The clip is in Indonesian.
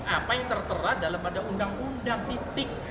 apa yang tertera dalam pada undang undang titik